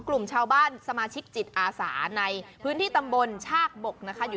คุณหย่ำยี่ทิ้งหมดน่ะ